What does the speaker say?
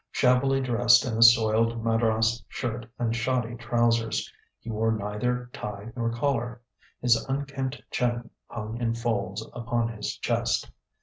Shabbily dressed in a soiled madras shirt and shoddy trousers, he wore neither tie nor collar: his unkempt chin hung in folds upon his chest.